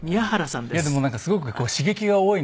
いやでもなんかすごく刺激が多いんですって。